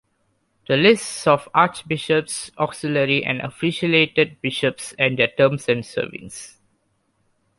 The lists of archbishops, auxiliary and affiliated bishops and their terms of service.